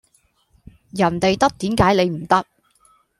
人哋得點解你唔得